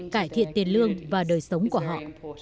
cải thiện tiền lương và đời sống của họ